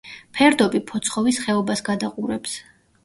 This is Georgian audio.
ფერდობი ფოცხოვის ხეობას გადაყურებს.